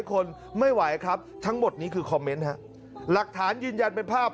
คนไม่ไหวครับทั้งหมดนี้คือคอมเมนต์ฮะหลักฐานยืนยันเป็นภาพ